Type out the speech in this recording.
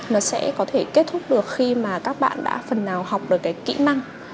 nó sẽ có thể kết thúc được khi mà các bạn đã phần nào học được cái kỹ năng